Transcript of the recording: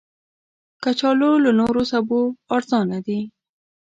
کچالو له نورو سبو ارزانه دي